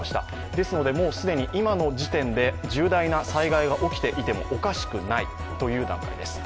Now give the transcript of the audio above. ですので、今の時点で重大な災害が起きていてもおかしくないという段階です。